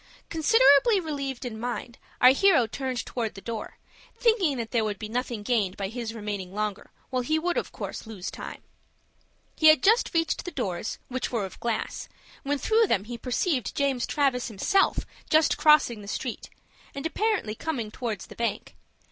Considerably relieved in mind, our hero turned towards the door, thinking that there would be nothing gained by his remaining longer, while he would of course lose time. He had just reached the doors, which were of glass, when through them he perceived James Travis himself just crossing the street, and apparently coming towards the bank.